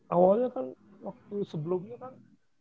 awalnya kan waktu sebelumnya kan